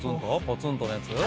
ポツンとのやつ？」